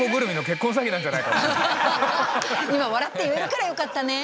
今笑って言えるからよかったね